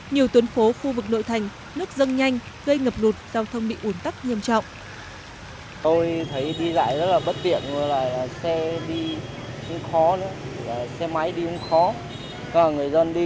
nhiều tuyến phố khu vực nội thành nước dâng nhanh gây ngập lụt giao thông bị ủn tắc nghiêm trọng